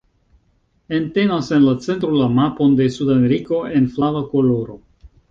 Entenas en la centro, la mapon de Sudameriko en flava koloro.